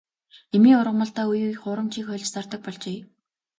Эмийн ургамалдаа үе үе хуурамчийг хольж зардаг болжээ.